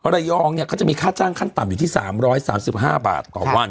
ระยองเนี่ยเขาจะมีค่าจ้างขั้นต่ำอยู่ที่๓๓๕บาทต่อวัน